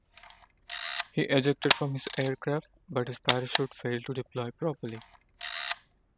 He ejected from his aircraft, but his parachute failed to deploy properly.